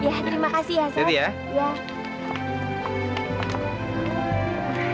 ya terima kasih ya